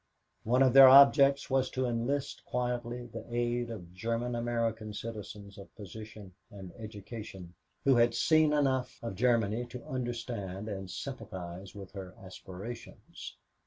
One of their objects was to enlist quietly the aid of German American citizens of position and education who had seen enough of Germany to understand and sympathize with her aspirations.